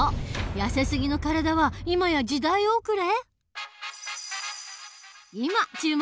やせすぎの体は今や時代遅れ！？